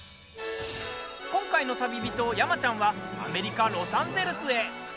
今回の旅人、山ちゃんはアメリカ・ロサンゼルスへ。